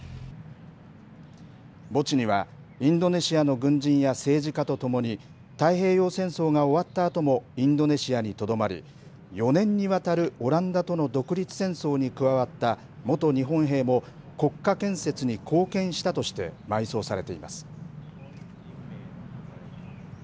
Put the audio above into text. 墓地には、インドネシアの軍人や政治家とともに、太平洋戦争が終わったあともインドネシアにとどまり、４年にわたるオランダとの独立戦争に加わった元日本兵も、国家建設に貢献したとして埋葬されています。